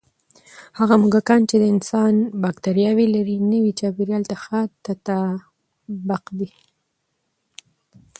هغه موږکان چې د انسان بکتریاوې لري، نوي چاپېریال ته ښه تطابق کوي.